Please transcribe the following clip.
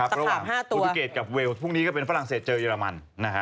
พรุ่งนี้ก็เป็นฝรั่งเศษเจอเยอรมัน